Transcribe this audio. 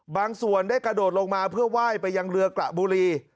ส่วนได้กระโดดลงมาเพื่อไหว้ไปยังเรือกระบุรี